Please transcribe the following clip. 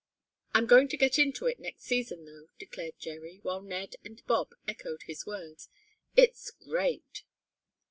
"I'm going to get into it next season though!" declared Jerry, while Ned and Bob echoed his words. "It's great!"